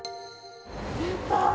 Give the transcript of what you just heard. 出た。